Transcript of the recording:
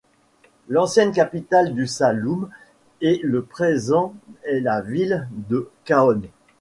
L'ancienne capitale du Saloum et le présent est la ville de Kahone.